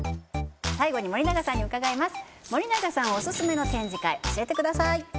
最後に森永さんに伺います